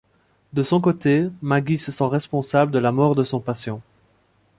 De son côté, Maggie se sent responsable de la mort de son patient.